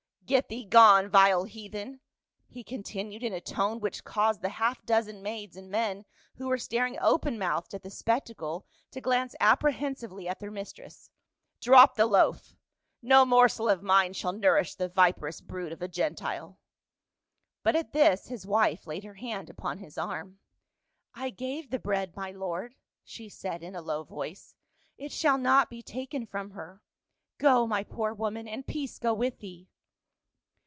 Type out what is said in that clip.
118 PA UL. " Get thee gone, vile heathen," he continued in a tone which caused the half dozen maids and men who were staring open mouthed at the spectacle to glance apprehensively at their mistress. " Drop the loaf — no morsel of mine shall nourish the viperous brood of a Gentile." But at this his wife laid her hand upon his arm. " I gave the bread, my lord," she said in a low voice. " It shall not be taken from her. Go, my poor woman, and peace go with thee."